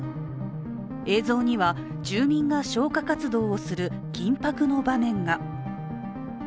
映像には、住民が消火活動をする緊迫の場面が。